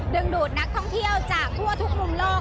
ดูดนักท่องเที่ยวจากทั่วทุกมุมโลก